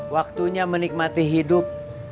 waktunya menikmati hidup